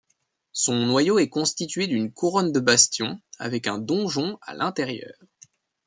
Son noyau est constitué d'une couronne de bastions, avec un donjon à l'intérieur.